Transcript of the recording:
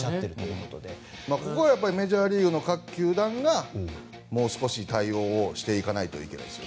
ここがメジャーリーグの各球団がもう少し対応していかないといけないですよ。